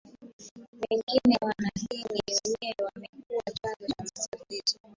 mwingine wanadini wenyewe wamekuwa chanzo cha matatizo